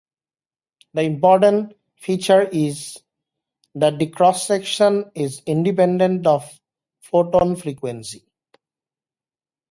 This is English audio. The important feature is that the cross section is independent of photon frequency.